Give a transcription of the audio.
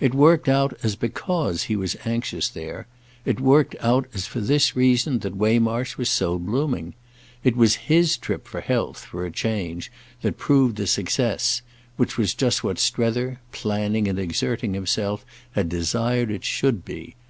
It worked out as because he was anxious there—it worked out as for this reason that Waymarsh was so blooming. It was his trip for health, for a change, that proved the success—which was just what Strether, planning and exerting himself, had desired it should be.